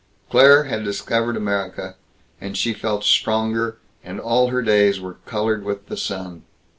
Claire had discovered America, and she felt stronger, and all her days were colored with the sun.